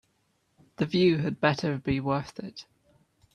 The view had better be worth it.